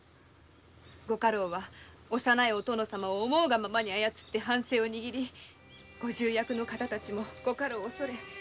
ご家老は幼いお殿様を思うままに操って藩政を握りご重役たちもご家老を恐れ。